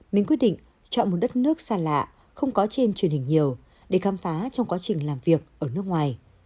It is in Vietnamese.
mình quyết định chọn một đất nước xa lạ không có trên truyền hình nhiều để khám phá trong quá trình làm việc ở nước ngoài